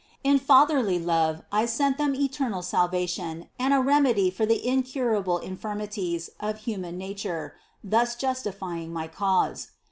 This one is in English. In fatherly love I sent them eternal salvation and a remedy for the incurable infirmities of human na ture, thus justifying my cause.